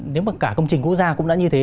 nếu mà cả công trình quốc gia cũng đã như thế